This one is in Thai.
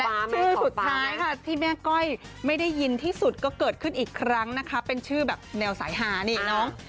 ชื่อสุดท้ายค่ะที่แม่ก้อยไม่ได้ยินที่สุดก็เกิดขึ้นอีกครั้งนะคะเป็นชื่อแบบแนวสายหานี่น้อง